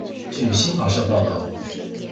据新华社报道